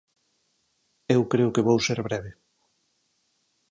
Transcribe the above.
Eu creo que vou ser breve.